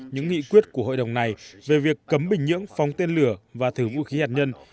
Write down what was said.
những nghị quyết của hội đồng này về việc cấm bình nhưỡng phóng tên lửa và thử vũ khí hạt nhân